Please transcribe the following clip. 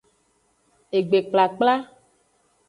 Egbekplakpla.